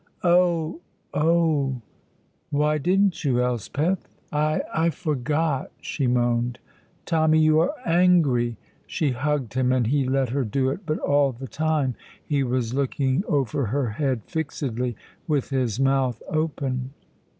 "Oh, oh!" "Why didn't you, Elspeth?" "I I forgot!" she moaned. "Tommy, you are angry!" She hugged him, and he let her do it, but all the time he was looking over her head fixedly, with his mouth open.